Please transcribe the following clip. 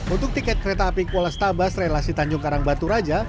untuk tiket kereta api kuala stabas relasi tanjung karang batu raja